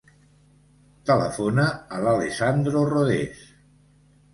Telefona a l'Alessandro Rodes.